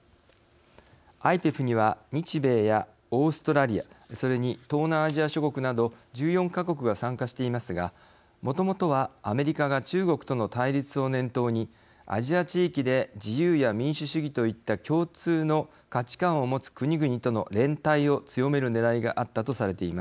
ＩＰＥＦには日米やオーストラリアそれに東南アジア諸国など１４か国が参加していますがもともとはアメリカが中国との対立を念頭にアジア地域で自由や民主主義といった共通の価値観を持つ国々との連帯を強めるねらいがあったとされています。